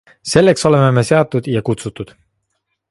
Selleks oleme me seatud ja kutsutud.